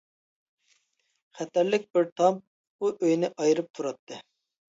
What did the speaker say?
خەتەرلىك بىر تام ئۇ ئۆينى ئايرىپ تۇراتتى.